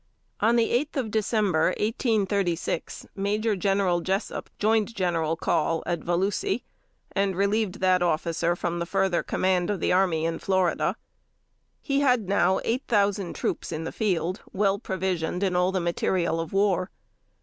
On the eighth of December, 1836, Major General Jessup joined General Call at Volusi, and relieved that officer from the further command of the army in Florida. He had now eight thousand troops in the field well provided in all the material of war.